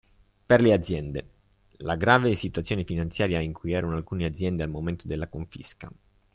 Per le Aziende: La grave situazione finanziaria in cui erano alcune aziende al momento della confisca.